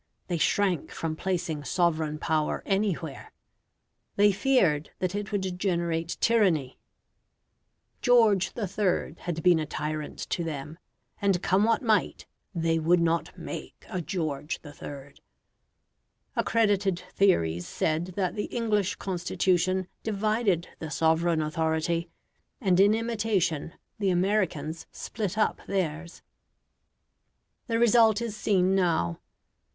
They shrank from placing sovereign power anywhere. They feared that it would generate tyranny; George III. had been a tyrant to them, and come what might, they would not make a George III. Accredited theories said that the English Constitution divided the sovereign authority, and in imitation the Americans split up theirs. The result is seen now.